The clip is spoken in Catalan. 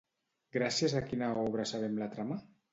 Gràcies a quina obra sabem la trama?